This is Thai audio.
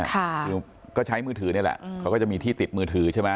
คือก็ใช้มือถือนี่แหละเขาก็จะมีที่ติดมือถือใช่ไหม